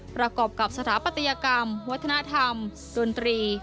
ประกอบกับสถาปัตยกรรมวัฒนธรรมดนตรี